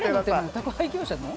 宅配業者の？